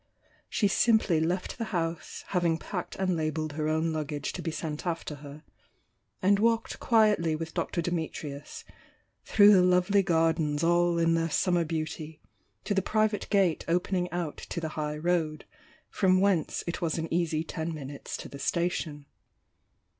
She simply left the house, having packed and labelled her own luggage to be sent after her, — and walked quietly with Dr. Dimitrius, through the lovely gardens all in their summer beauty, to the private gate opening out to the high road, from whence it was an easy ten minutes to the station.